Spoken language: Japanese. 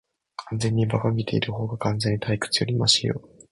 完全に馬鹿げているほうが、完全に退屈よりマシよ。